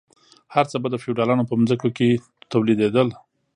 هر څه به د فیوډالانو په ځمکو کې تولیدیدل.